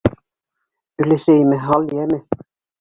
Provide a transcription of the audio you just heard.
Өләсәйемә һал, йәме!